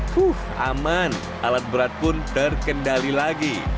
wuh aman alat berat pun terkendali lagi